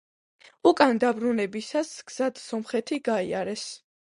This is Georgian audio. უკან დაბრუნებისას, გზად სომხეთი გაიარეს.